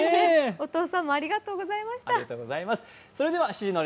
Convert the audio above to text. お父さんもありがとうございました。